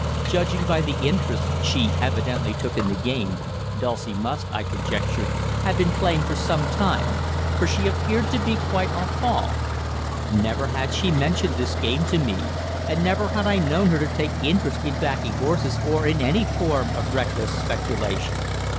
Judging by the interest she evidently took in the game, Dulcie must, I conjectured, have been playing for some time, for she appeared to be quite au fait. Never had she mentioned this game to me, and never had I known her to take interest in backing horses or in any form of reckless speculation.